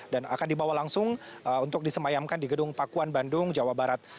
dan akan dibawa langsung untuk disemayamkan di gedung pakuan bandung jawa barat